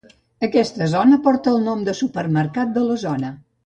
Aquesta zona porta el nom de Supermercat de la zona.